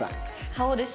顔です。